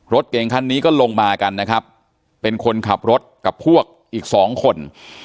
รถเก่งคันนี้ก็ลงมากันนะครับเป็นคนขับรถกับพวกอีกสองคน